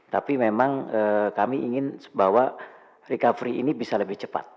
tapi memang kami ingin bahwa recovery ini bisa lebih cepat